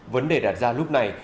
vấn đề đạt ra lúc này